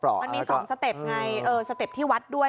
มันมี๒สเต็ปไงสเต็ปที่วัดด้วย